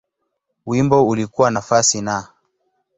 Wimbo ulikuwa nafasi Na.